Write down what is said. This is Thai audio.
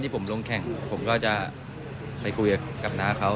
ผมลงแข่งผมก็จะไปคุยกับน้าเขา